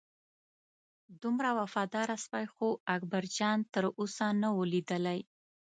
دومره وفاداره سپی خو اکبرجان تر اوسه نه و لیدلی.